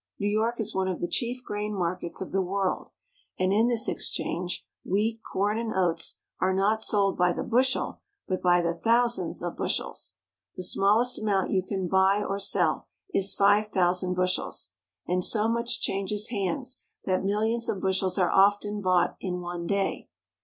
New York is one of the chief grain markets of the world, and in this exchange wheat, corn, and oats are not sold by the bushel, but by the thousands of bushels. The smallest amount you can buy or sell is five thousand bushels, and so much changes hands that miUions of bushels are often bought in one day.